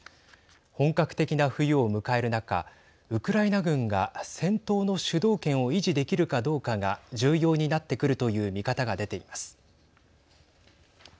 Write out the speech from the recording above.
本格的な冬を迎える中ウクライナ軍が戦闘の主導権を維持できるかどうかが重要になってくるという見方が出ています。